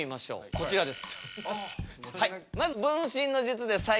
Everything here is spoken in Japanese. こちらです。